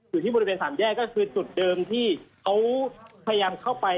อยู่ที่บริเวณสามแยกก็คือจุดเดิมที่เขาพยายามเข้าไป